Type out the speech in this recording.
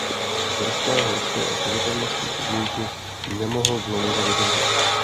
Drsné horské a povětrnostní podmínky nemohl dlouho vydržet.